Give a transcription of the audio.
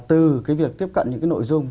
từ cái việc tiếp cận những cái nội dung